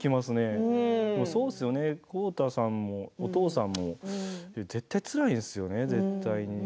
そうですよね、浩太さんもお父さんも絶対つらいですよね絶対に。